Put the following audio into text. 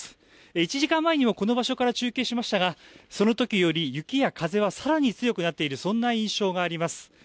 １時間前にもこの場所から中継しましたが、そのときより雪や風はさらに強くなっている、そんな印象があります。